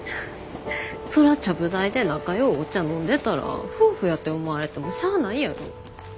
そらちゃぶ台で仲良うお茶飲んでたら夫婦やて思われてもしゃあないやろ。